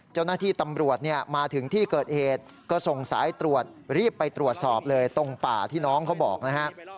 เจ้าหน้าที่ตำรวจเนี่ยมาถึงที่เกิดเหตุก็ส่งสายตรวจรีบไปตรวจสอบเลยตรงป่าที่น้องเขาบอกนะฮะ